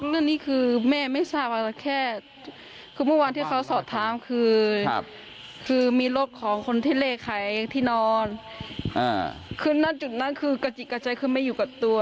อ๋อคือเรื่องนี้คือแม่ไม่ทราบว่าแค่เพราะว่าเมื่อวานที่เขาสอดถามคือคือมีรถของคนที่เละไขที่นอนคือนั้นจุดนั้นคือกระจิ๊กกระใจดูมไม่อยู่กับตัว